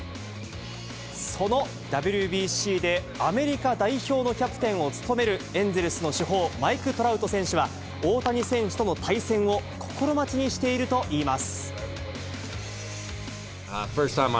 そのＷＢＣで、アメリカ代表のキャプテンを務める、エンゼルスの主砲、マイク・トラウト選手は、大谷選手との対戦を心待ちにしているといいます。